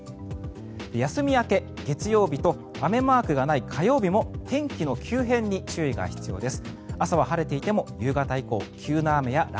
休み明け、月曜日と雨マークがない火曜日も天気の急変に注意が必要です。